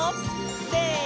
せの！